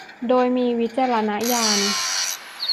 โดยมีวิจารณญาณ